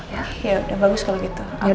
yaudah bagus kalau gitu